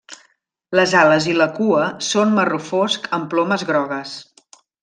Les ales i la cua són marró fosc amb plomes grogues.